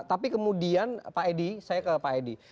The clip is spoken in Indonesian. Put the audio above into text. tapi kemudian pak edi saya ke pak edi